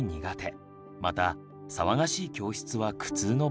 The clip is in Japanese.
また騒がしい教室は苦痛の場でした。